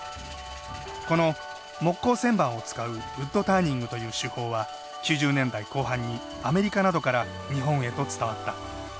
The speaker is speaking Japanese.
この木工旋盤を使うウッドターニングという手法は９０年代後半にアメリカなどから日本へと伝わった。